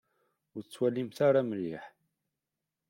Ur tettwalimt ara mliḥ.